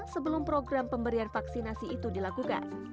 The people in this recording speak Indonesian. sebelum program pemberian vaksinasi itu dilakukan